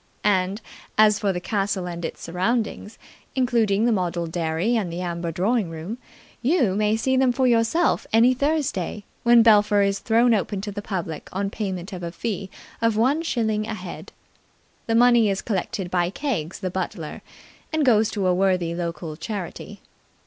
And, as for the castle and its surroundings, including the model dairy and the amber drawing room, you may see them for yourself any Thursday, when Belpher is thrown open to the public on payment of a fee of one shilling a head. The money is collected by Keggs the butler, and goes to a worthy local charity.